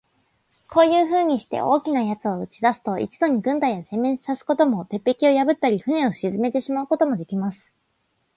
こういうふうにして、大きな奴を打ち出すと、一度に軍隊を全滅さすことも、鉄壁を破ったり、船を沈めてしまうこともできます。